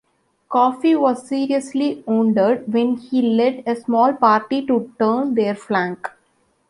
Coffee was seriously wounded when he led a small party to turn their flank.